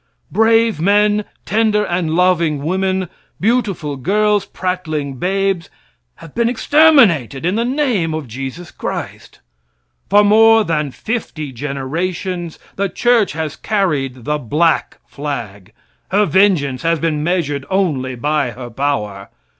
Brave men, tender and loving women, beautiful girls, prattling babes have been exterminated in the name of Jesus Christ. For more than fifty generations the church has carried the black flag. Her vengeance has been measured only by her power.